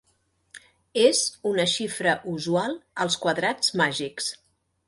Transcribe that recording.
És una xifra usual als quadrats màgics.